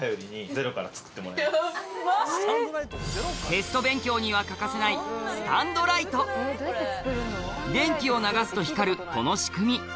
テスト勉強には欠かせない電気を流すと光るこの仕組み